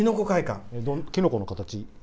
きのこの形？